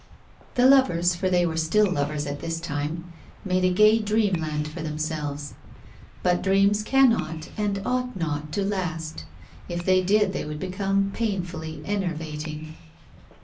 The lovers — for they were still lovers at this time — made a gay dreamland for themselves. But dreams cannot and ought not to last. If they did they would become pain fully enervating.